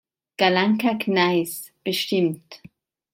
Calanca-Gneis, bestimmt.